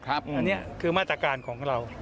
อันนี้คือมาตรการของเรา